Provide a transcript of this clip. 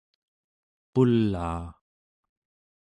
pulaa